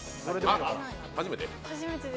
あ、初めて？